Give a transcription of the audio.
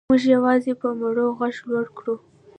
موږ یوازې په مړو غږ لوړ کړو.